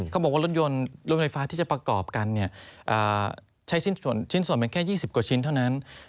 เขาบอกว่ารถยนต์รถไฟฟ้าที่จะประกอบกันใช้ชิ้นส่วนเป็นแค่๒๐กว่าชิ้นเท่านั้น